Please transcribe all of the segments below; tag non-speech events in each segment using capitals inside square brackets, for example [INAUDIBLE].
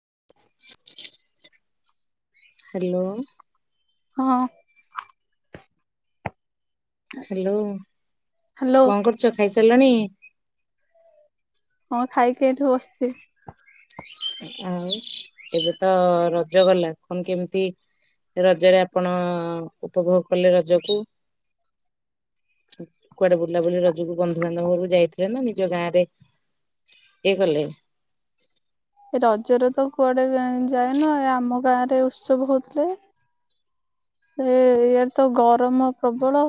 [INAUDIBLE] Hello. ହଁ। Hello hello କଣ କରୁଛ ଖାଇସାରିଲଣି? [INAUDIBLE] ହଁ ଖାଇକି ଏଇଠି ବସିଛି। ଆଉ ଏବେ ତ ରଜ ଗଲା ଆପଣ କେମିତି ରଜରେ ଆପଣ ଉପଭୋଗ କଲେ ରଜକୁ କୁଆଡେ ବୁଲା ବୁଲି ରାଜାକୁ ବନ୍ଦୁ ବନ୍ଧବ ଘରକୁ ଯାଇଥିଲେ ନା ନିଜ ଗାଁ ରେ ହେଇଗଲେ। ରଜରେ ତ କୁଆଡେ ଯାଏ ଯାଏନୁ ଆମ ଗାଁରେ ଉତ୍ସବ ହଉଥିଲେ। ଏ ଇଆଡେ ତ ଗ ଗରମ ପ୍ରବଳ।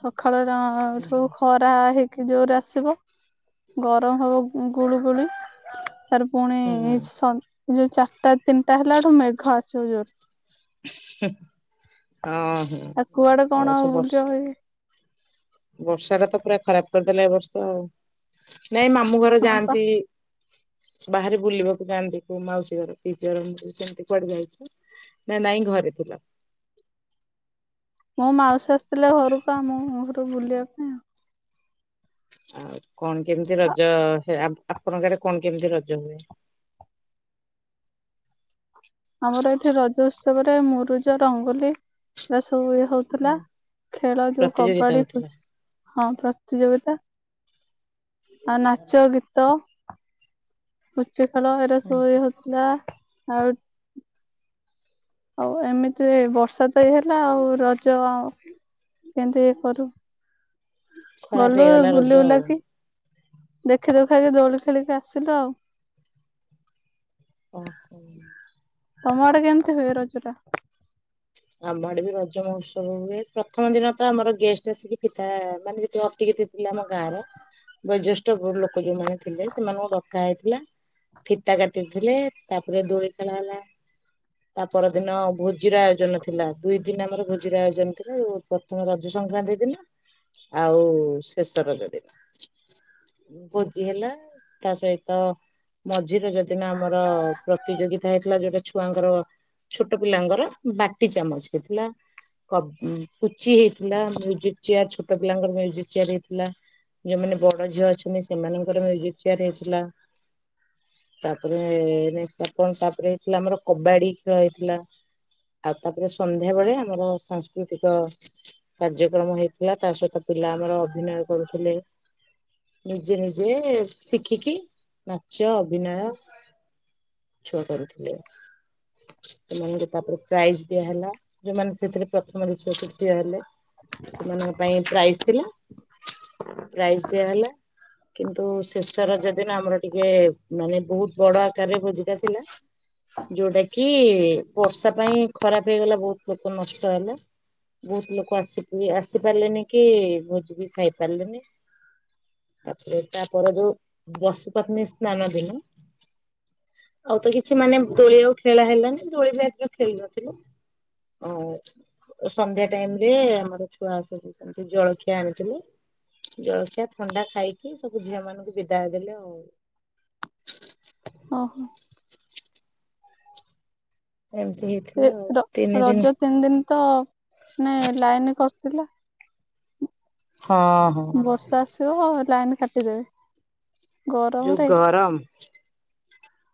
ସକା ସକାଳଠୁ ହୁଁ ଖରା ହେଇକି ଯୋଉ ଆ ଶିବା। ଗରମ ହଉ ଗୁଳୁଗୁଳି। ସ ପୁଣି ହଁ ସ ଯୋଉ ଚାରଟା ତିନିଟା ହେଲାଠୁ ମେଘ ଆସିବ ଯୋରେ। ହୁଁ। ତ କୁଆଡେ କଣ ବୁଲା ଏଇ? ବର୍ଷା ଟା ତ ପୁରା ଖରାପ କରିଦେଲା ଏ ବର୍ଷ ଆଉ। ନାଇଁ ମାମୁଁ ଘର ହଁ ପା ଯାଆନ୍ତି। ବାହାରେ ବୁଲିବାକୁ ଯାଆନ୍ତି। କୋଉ ମାଉସୀ ଘର ପିଇସି ଘର ସେମତି କୁଆଡେ ଯାଇଛ ନା ନାଇଁ ଘରେ ଥିଲ। ମୋ ମାଉସୀ ଆସିଥିଲେ ଘରକୁ ଆମ ଘରୁ ବୁଲିବା ପାଇଁ ଆଉ। ଆଉ। କଣ କେମିତି ଆଉ। ରଜ ସେ ଆପଣଙ୍କ ଆଡେ କଣ କେମିତି ରଜ ହୁଏ? ଆମର ଏଠି ରଜ ଉତ୍ସବରେ ମୁରୁଜ ରଙ୍ଗୋଲି ବାସ୍ ତ ଇଏ ହଉଥିଲା ଖେଳ ଯୋଉ ପ୍ରତିଯୋଗିତା କବାଡି ହଉଥିଲା ପୁଚି ହଁ ପ୍ରତିଯୋଗିତା ଆଉ ନାଚ ଗୀତ। ପୁଚ ପୁଚି ଖେଳ ଏରା ସବୁ ହଉଥିଲା। ଆଉ ଆଉ ଏମିତିରେ ବର୍ଷା ତ ହେଲା ଆଉ ରଜ ଆ କେମିତି କରବୁ। ଖରାପ ଗଲୁ ହେଇଗଲା ରଜ ବୁଲି ଆଉ। ବୁଲା କି ଦେଖି ଦୁଖାକି ଦୋଳି ଖେଳିକି ଆସିଲ ଆଉ। ଓହୋ। ତମ ଆଡେ କେମତି ହୁଏ ରଜଟା। ଆମ ଆଡେ ବି ରଜ ମହୋତ୍ସବ ହୁଏ ପ୍ରଥମ ଦିନ ତ ଆମର ଗେଷ୍ଟ ଆସିକି ଫିତା ମାନେ ଯେ ଅତିିକି ଅ ଆମ ଗାଁର ବୟଜ୍ୟେଷ୍ଟ ଠ ଲୋକ ଯୋଉମାନେ ଥିଲେ ସେମାନଙ୍କୁ ଡକ୍ କା ହେଇଥିଲା ଫିତା କାଟିଥିଲେ ତାପରେ ଦୋଳି ଖେଲା ହେଲା ତା ପର ଦିନ ଭୋଜିର ଆୟୋଜନ ଥିଲା ଦୁଇ ଦିନ ଆମର ଭୋଜିର ଆୟୋଜନ ଥିଲା। ପ୍ରଥମେ ରଜ ସଂକ୍ରାନ୍ତି ଦିନ, ଆଉ ଶେଷ ରଜ ଦିନ ଭୋଜି ହେଲା ତା ସହିତ ମଝି ରଜ ଦିନ ଆମର ପ୍ରତିଯୋଗିତା ହେଇଥିଲା। ଯୋଉଟା ଛୁଆଙ୍କର ଛୋଟ ପିଲାଙ୍କର ବାକ୍ କୁଟି ଚାମଚ ହେଥିଲା କବ୍ କୁଚି ହେଇଥିଲା ମ୍ୟୁଜିକ୍ ଚେୟାର୍ ଛୋଟ ପିଲାଙ୍କର ମ୍ୟୁଜୀକ୍ ଚେୟାର୍ ହେଇଥିଲା। ଯୋଉମାନେ ବଡ ଝିଅ ଅଛନ୍ତି ସେମାନଙ୍କର ମ୍ୟୁଜିକ୍ ଚେୟାର୍ ହେଇଥିଲା। ତାପରେ ନେ ତାପରେ ହେଇଥିଲା ଆମର କବାଡି ଖେଳ ହେଇଥିଲା। ଆଉ ତାପରେ ସନ୍ଧ୍ୟା ବେଳେ ଆମର ସାଂସ୍କୃତିକ କାର୍ଯ୍ୟକ୍ରମ ହେଇଥିଲା ତା ସହିତ ପିଲା ଆମର ଅଭିନୟ କରୁଥିଲେ। ନିଜେ ନିଜେ ଶିଖିକି ନାଚ ଅଭିନୟ ଛୁଆ କରୁଥିଲେ ସେମାନଙ୍କୁ ତାପରେ ପ୍ରାଇଜ୍ ଦିଆ ହେଲା ଯୋଉମାନେ ସେଥିରେ ପ୍ରଥମ ଦିତୀୟ ତୃତୀୟ ହେଲେ। ସେମାନଙ୍କ ପାଇଁ ପ୍ରାଇଜ୍ ଥିଲା ପ୍ରାଇଜ୍ ଦିଆହେଲା କିନ୍ତୁ ଶେଷ ରଜ ଦିନ ଆମର ଟିକେ ଏ ମାନେ ବହୁତ ବଡ ଆକାରରେ ଭୋଜିଟା ଥିଲା ଯୋଉଟା କି ବର୍ ତା ପାଇଁ ଖରାପ ହେଇଗଲା ବହୁତ ଲୋକ ନଷ୍ଟ ହେଲା। ବହୁତ ଲୋକ ଆସିକି ଆସିପାରିଲେନି କି ଭୋଜିିବି ଖାଇ ପାରିଲେନି। ତାପରେ ତାପର ଯୋଉ ବସୁପାତନି ସ୍ନାନ ଦିନ ଆଉ ତ କିଛି ମାନେ ଦୋଳି ଆଉ ଖେଳା ହେଲାନି ଦୋଳି [UNINTELLIGIBLE] ଖଇନଥିଲୁ ଅ ସନ୍ଧ୍ୟା ଟାଇମ୍ ରେ ଆମର ସବୁ ସେମିତି ଜଳଖିଆ ଆଣିଥିଲେ ଜଳଖିଆ ଥଣ୍ଡା ଖାଇକି ସବୁ ଝିଅ ମାନଙ୍କୁ ବିଦାୟ ଦେଲେ ଏ ଆଉ। ଓହୋ ତ ଏମିତି ହେଇଥିଲା ତିନି ଦିନି। ତଅ ନାଇଁ ଲାଇନ୍ କଟ୍ ଥିଲା। ହଁ ହଁ ବର୍ଷା ଆସିବ ହ ଲାଇନ୍ କାଟିଦେବେ ଯୋଉ ଗରମରେ ଗରମ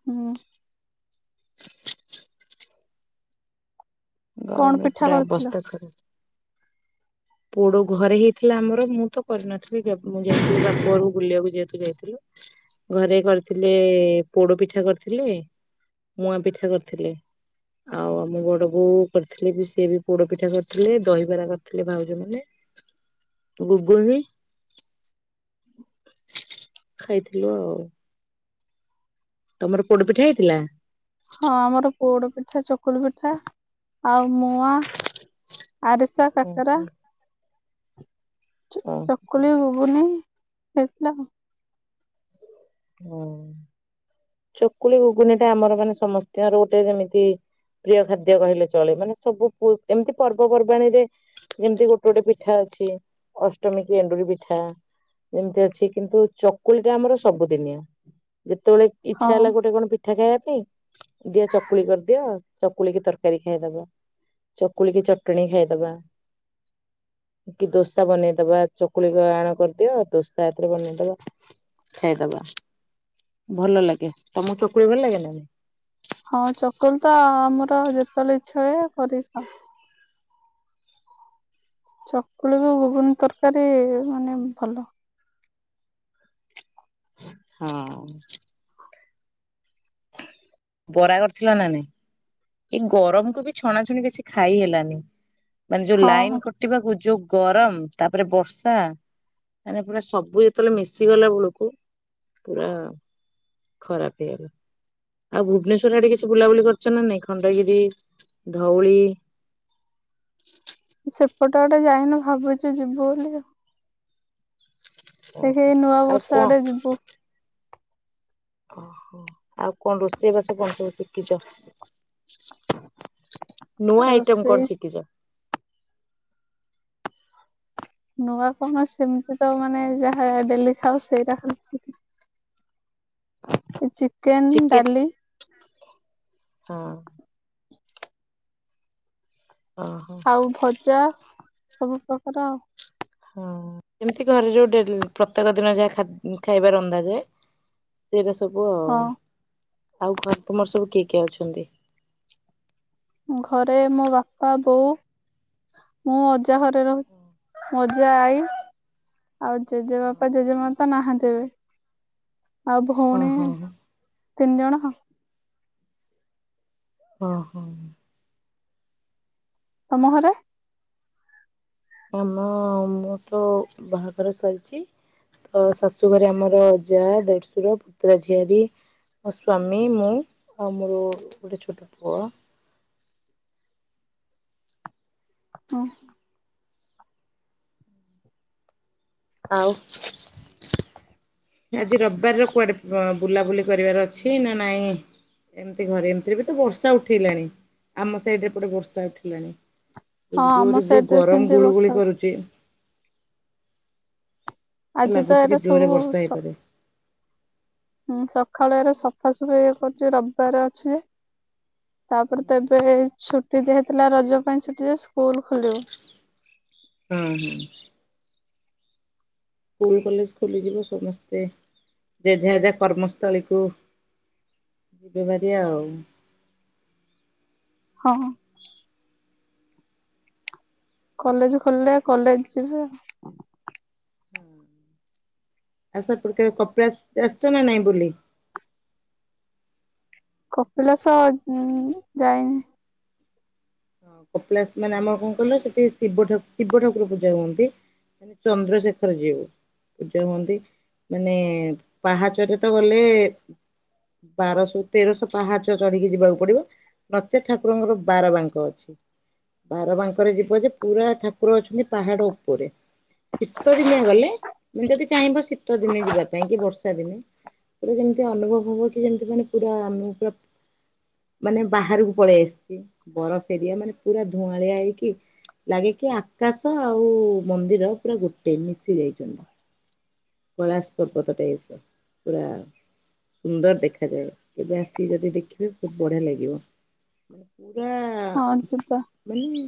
ହୁଁ କଣ ଗରମରେ ପିଠା ପୁରା କରିଥିଲ ଅବସ୍ଥା ସା ପୋଡ ଘରେ ହେଇଥିଲା ଆମର ମୁଁ ତ କରିନଥିଲି। ମୁଁ ଯାଇଥିଲି ବାପଘରକୁ ବୁଲିବାକୁ ଯେହେତୁ ଯାଇଥିଲୁ ଘରେ କରିଥିଲେ ପୋଡ ପିଠା କରିଥିଲେ, ମୁଆ ପିଠା କରିଥିଲେ, ଆଉ ଆମ ବଡବୋଉ କରିଥିଲେ ସିଏ ବି ପୋଡ ପିଠା କରିଥିଲେ, ଦହିବରା କରିଥିଲେ ଭାଉ ଘୁଘୁନି ଘୁଘୁନି ଖାଇଥିଲୁ ଆଉ ତମର ପୋଡ ପିଠା ହେଇଥିଲା। ହଁ ଆମର ପୋଡ ପିଠା, ଚକୁଳି ପିଠା ଆଉ ମୁୂଆ ଆରିସା କାକରା ଓହୋ ହଁ ଚକୁଳି ଘୁଗୁନି। ହେତ ନା ହୁଁ ଚକୁଳି ଘୁଗୁନି ଟା ଆମର ମାନେ ସମସ୍ତଙ୍କର ଗୋଟେ ଯେମିତି ପ୍ରିୟ ଖାଦ୍ୟ କହିଲେ ଚଳେ ମାନେ ସବୁ ଏମିତି ପର୍ବପର୍ବାଣୀରେ ଯେମିତି ଗୋଟେ ଗୋଟେ ପିଠା ଅଛି, ଅଷ୍ଟମୀ କି ଏଣ୍ଡୁରୀ ପିଠା ଯେମତି ଅଛି କିନ୍ତୁ ଚକୁଳି ଟା ଆମର ସବୁ ଦିନି ଆ ଯେ ଯେତେତବେଳେ ହଁ ଇଚ୍ଛା ହେଲା ଗୋଟେ କଣ ପିଠ ମିଠା ଖାଇବା ପାଇଁ ଦିଅ ଚକୁଳି କରିଦିଅ ଆଉ ଚକୁଳିିକି ତରକାରୀ ଖାଇଦବା, ଚକୁଳିିକି ଚଟଣୀ ଖାଇଦବା କି ଦୋସା ବନେଇଦବା, ଚକୁଳିିକ ଆଣ କରିଦିଅ ଦୋସା ଏଥିରେ ବନେଇଦବା ଖାଇଦବା। ଭଲ ଲାଗେ ତମ ଚକୁଳି ଭଲ ଲାଗେ ନା। ହଁ ଚକୁଳି ତ ଆମର ଯେତେବେଳେ ଇଚ୍ଛା ହୁଏ କରିଥାଉ ଚକୁଳିକୁ ଘୁଗୁନି ତରକାରୀ ମାନେ ଭଲ। ହଁ ହ ବରା କରିଥିଲା ନ ନାଇଁ ଏଇ ଗରମକୁୁ ବି ଛଣାଛୁଣି ବେଶୀ ଖାଇ ହେଲାନି। ମାନେ ଯୋଉ ହଁ ଲାଇନ କଟିବାକୁ ଯୋଉ ଗରମ ତାପରେ ବର୍ଷା ମାନେ ପୁରା ସବୁ ଯେତେବେଳେ ମିଶିଗଲା ବେଳକୁ ପୁରା ଖରାପ ହେଇଗଲା। ଆଉ ଭୁବନେଶ୍ଵର ଆଡେ କିଛି ବୁଲାବୁଲି କରିଛ ନା ନାଇଁ। ଖଣ୍ଡଗିରି, ଧଉଳି ଗୋଟେ ଟ ଗୋଟେ ଯାଇନୁ ଭାବୁଛୁ ଯିବୁ ବୋଲିକା। ଏଠି ଓହୋ ନୂଆ ଆଉ ବର୍ଷ କଣ ଆଡେ ଯିବୁ ଓହୋ ଆଉ କଣ ରୋଷେଇ ବାସ କଣ ସବୁ ଶିଖିଛ? ନୂଆ ଆଇଟମ ରୋଷେଇ କଣ ଶିଖିଛ? ନୂଆ କଣ ସେମିତି ତ ମାନେ ଯାହା ଡେଲି ଖାଉ ସେଇଟା ଖାଲି ଚିକେନ, ଡାଲି ହଁ ଓ ହୋ। ଚାସ୍ ସବୁ ପ୍ରକାର ଆଉ। ହଁ ସେମିତି ଘରେ ଯୋଉ ଡେଲି ପ୍ରତ୍ୟେକ ଦିନ ଯାହା ଖଦ୍ୟ ଖାଇବାର ରନ୍ଧା ଯାଏ ସେ ରୋଷେ ସବୁ ଆଉ। ହଁ ଆଉ କଣ ତୁମର ସବୁ କିଏ କିଏ ଅଛନ୍ତି? ଘରେ ମୋ ବାପା, ବୋଉ, ମୁଁ ଅଛ ପୂଜା ଘରେ ରହୁଛି ମୋ ଯାଇ ଆଉ ଜେଜେବାପା ଜେଜେମା ତ ନାହାନ୍ତି। ସେ ଆଉ ଓ ଭଉଣୀ ହୋ ତିନ ଜଣ। ଓ ହୋ। ତମ ଘରେ। ଆମ ମୁଁ ତ ବାହାଘର ସରିଛି ତ ଶାଶୁ ଘରେ ଆମର ଯା ଦେଢଶୁର ପୁତୁରା ଝିଆରୀ ମୋ ସ୍ଵାମୀ ମୁଁ ଆଉ ମୋ ଗୋଟେ ଛୋଟ ପୁଅ। ହୁଁ। ଆଉ। ଆଜି ରବିବାର କୁଆଡେ ପ ବୁଲାବୁଲି କରିବାର ଅଛି ନା ନାଇଁ ଏମିତି ଘରେ ଏମିତିରେ ବି ତ ବର୍ଷା ଉଠେଇଲାଣି ଆମ ସାଇଡ଼ରେ ଏପଟେ ବର୍ଷା ଉଠିଲାଣି। ହଁ ଏଇ ଆମ ଯୋରେ ଯଉ ସାଇଡରେ ଗରମ ସେମିତି ଗୁଳୁ ବର୍ଷା ଗୁଳି ହଉଛି କରୁଛି। ଆଜି ତ ଲାଗୁଛି କି ଏଇଟା ସବୁ ଜୋରରେ ବର୍ଷା ସ ହେଇପାରେ। ହୁଁ ସକାଳୁ ଏରା ସଫାସୁଫି ଇଏ କରୁଛି ରବିବାର ଅଛି। ତାପରେ ତ ଏବେ ଛୁ ଛୁଟି ଦିଆ ହେଇଥିଲା ରଜ ପାଇଁ ଛୁଟିରେ ସ୍କୁଲ ଖୋଲିବ। ହୁଁ ହୁଁ। ସ୍କୁଲ କଲେଜ ଖୋଲିଯିବ ସମସ୍ତେ ଯେଝା ଯେଝା କର୍ମସ୍ଥଳୀକୁୁ ଯିବେ ଭେରି ଆଉ। ହଁ। କଲେଜ ଖୋଲିଲେ କଲେଜ ଯିବେ। ହଁ ଆଉ ସେପଟେ କପିଳାସ ଆସଛ ନା ନାଇଁ ବୁଲି। କପିଳାସ ଯାଇନି। ହଁ କପିଳାଶ ମାନେ ଆମର କଣ କହିଲ ସେଠି ଶିବ ଠାକ ଶିବ ଠାକୁର ପୂଜା ହୁଅନ୍ତି ମାନେ ଚନ୍ଦ୍ରଶେଖର ଯିଏ ପୂଜା ହୁଅନ୍ତି ମାନେ ପାହାଚରେ ତ ଗଲେ ବାରଶହ ତେରଶହ ପାହାଚ ଚଢିକି ଯିବାକୁ ପଡିବ ନଚେତ୍ ଠାକୁରଙ୍କର ବାର ବାଙ୍କ ଅଛି। ବାର ବାଙ୍କରେ ଯିବ ଯେ ପୁରା ଠାକୁର ଅଛନ୍ତି ପାହାଡ ଉପରେ ଶୀତ ଦିନିଆ ଗଲେ ତମେ ଯଦି ଚାହିଁବ ଶୀତ ଦିନି ଯିବା ପାଇଁ କି ବର୍ଷା ଦିନେ ପୁରା ଯେମିତି ଅନୁଭବ ହବ କି ଯେମିତି ମାନେ ପୁରା ଆମେ ପୁରା ମାନେ ବାହାରକୁ ପଳେଇ ଆସିଛି ବରଫ ଏରିଆ ମାନେ। ପୁରା ଧୂଆଁଳିଆ ହେଇକି ଲାଗେ କିି ଆକାଶ ଆଉ ମନ୍ଦିର ପୁରା ଗୋଟେ ମିଶି ଯାଇଛନ୍ତି। କୈଳାଶ ପର୍ବତ ଟାଇପ ର ପୁରା ସୁନ୍ଦର ଦେଖାଯାଏ। ଏବେ ଆସିକି ଯଦି ଦେଖିବେ ବହୁତ ବଢିଆ ଲାଗିବ ମାନେ ପୁ ହଁ ପୁରା-ଆ-ଆ-ଆ ଯିବା ମାନେ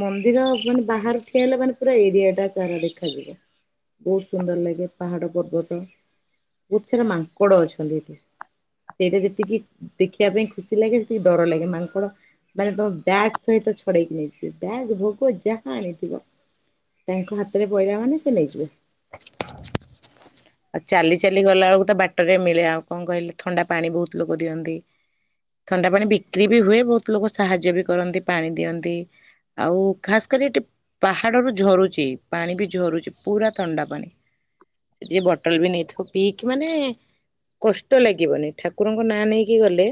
ମନ୍ଦିର ମାନେ ବାହାର ଠିଆ ହେଲା ମାନେ ପୁରା ଏରିଆ ଟା ସାରା ଦେଖାଯିବ। ବହୁତ ସୁନ୍ଦର ଲାଗେ ପାହାଡ ପର୍ବତ। ବହୁତ ସାରା ମାଙ୍କଡ ଅଛନ୍ତି ଏଠି। ସେଇଟା ଯେତିକି ଦେଖିବା ପାଇଁ ଖୁସି ଲାଗେ ସେତିକି ଡର ଲାଗେ। ମାଙ୍କଡ ମାନେ ତମ ବ୍ୟାଗ୍ ସହିତ ଛଡେଇକି ନେଇଯିବେ। ବ୍ୟାଗ୍, ଭୋଗ ଯାହା ଆଣିଥିବ ତାଙ୍କ ହାତରେ ପଇଲା ମାନେ ସେ ନେଇଯିବେ। ଆଉ ଚାଲି ଚାଲି ଗଲା ବେଳକୁ ତ ବାଟରେ ମିଳେ ଆଉ କଣ କହିଲେ ଥଣ୍ଡା ପାଣି ବହୁତ ଲୋକ ଦିଅନ୍ତି। ଥଣ୍ଡା ପାଣି ବିକ୍ରି ବି ହୁଏ, ବହୁତ ଲୋକ ସାହାଯ୍ୟ ବି କରନ୍ତି ପାଣି ଦିଅନ୍ତି। ଆଉ ଖାସ କରି ଏଠି ପାହାଡରୁ ଝରୁଛି ପାଣି ବି ଝରୁଛି ପୁରା ଥଣ୍ଡା ପାଣି। ସେ ଯିଏ ବଟଲ ବି ନେଇଥିବ ପିଇକି ମାନେ କଷ୍ଟ ଲାଗିବନି ଠାକୁରଙ୍କ ନାଁ ନେଇକି ଗଲେ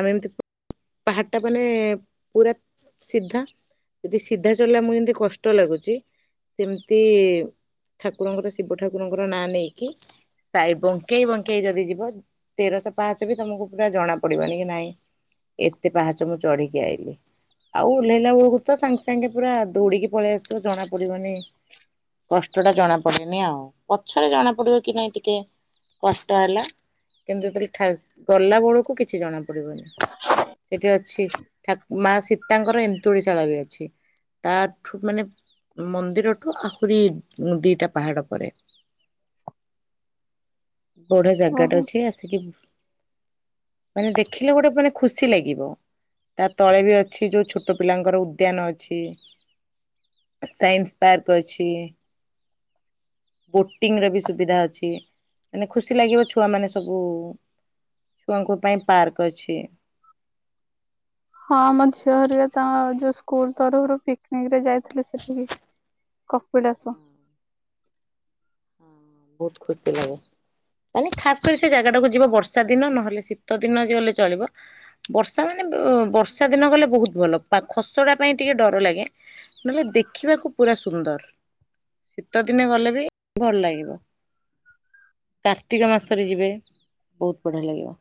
ଆମେ ଏମିତି ପାହାଡ ଟା ମାନେ ପୁରା ସିଧା ଯଦି ସିଧା ଚଳିଲା ଆମକୁ ଯେମିତି କଷ୍ଟ ଲାଗୁଛି ସେମିତି ଠାକୁରଙ୍କର ଶିବ ଠାକୁରଙ୍କର ନାଁ ନେଇକି ସାଇ ବଙ୍କେଇ ବଙ୍କେଇ ଯଦି ଯିବ ତେରଶହ ପାହାଚ ବି ତମକୁ ପୁରା ଜଣା ପଡିବନି ନାଇଁ ଏତେ ପାହାଚ ମୁଁ ଚଢିକି ଆଇଲିି। ଆଉ ଓଲ୍ହେଇଲା ବେଳକୁ ତ ସାଙ୍ଗେ ସାଙ୍ଗେ ପୁରା ଦୌଡିକି ପଳେଇ ଆସିବୁ ଜଣା ପଡିବନି କଷ୍ଟ ଟା ଜଣା ପଡେନି ଆଉ। ପଛରେ ଜଣା ପଡିବ କି ନାହିଁ ଟିକେ କଷ୍ଟ ହେଲା କିନ୍ତୁ ଯେତେବେଳେ ଠା ଗଲା ବେଳକୁ କିଛି ଜଣା ପଡିବନି। ସେଠି ଅଛି ଠା ମା ସି ତାଙ୍କର ଏନ୍ତୁଳିଶାଳ ବି ଅଛି ତାଠୁ ମାନେ ମନ୍ଦିରଠୁ ଆହୁରି ଦିଟା ପାହାଡ ପରେ। ବଢିଆ ଜାଗା ଟା ଓହୋ ଅଛି ଆସିକି ମାନେ ଦେଖିଲେ ଗୋଟେ ମାନେ ଖୁସି ଲାଗିବ ତା ତଳେ ବି ଅ ଅଛି ଯୋଉ ଛୋଟ ପିଲାଙ୍କର ଉଦ୍ୟାନ ଅଛି, ସାଇନ୍ସ ପାର୍କ ଅଛି। ବୋଟିଙ୍ଗ ର ବି ସୁବିଧା ଅଛି। ମାନେ ଖୁସି ଲାଗିବ ଛୁଆମାନେ ସବୁ ଛୁଆଙ୍କ ପାଇଁ ପାର୍କ ଅଛି। ହଁ ମୋ ଝିଅ ହେରିକା ତାଙ୍କ ଯୋଉ ସ୍କୁଲ ତରଫରୁ ପିକନିକ ରେ ଯାଇଥିଲି ସେଠିକି କପିଳାସ। ବହୁତ ଖୁସି ଲାଗେ ମାନେ ଖାସ କରି ସେ ଜାଗା ଟାକୁ ଯିବ ବର୍ଷା ଦିନ ନହେଲେ ଶୀତ ଦିନ ଯ ଗଲେ ଚଳିବ। ବର୍ଷା ମାନେ ବ ବର୍ଷା ଦିନ ଗଲେ ବହୁତ ଭଲ ପା ଖସଡା ପାଇଁ ଟିକେ ଡର ଲାଗେ, ନହେଲେ ଦେଖିବାକୁ ପୁରା ସୁନ୍ଦର ଶୀତ ଦିନ ଗଲେ ବି ଭଲ ଲାଗିବ। କାର୍ତ୍ତିକ ମାସରେ ଯିବେ ବହୁତ ବଢିଆ ଲାଗିବ।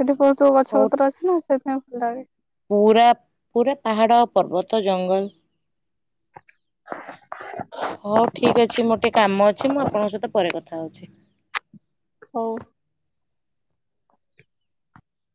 ସେଠି କୋଉ କୋଉ ଗଛ ହଉ ପତ୍ର ଅଛି ନା, ସେଥି ପାଇଁ [INAUDIBLE] ପୁରା ପୁରା ପାହାଡ଼, ପର୍ବତ, ଜଙ୍ଗଲ ହଉ, ଠିକ ଅଛି, ମୋର ଟିକେ କାମ ଅଛି, ମୁଁ ଆପଣଙ୍କ ସହିତ ପରେ କଥା ଥାଉଛି ହଉ